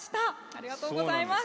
ありがとうございます。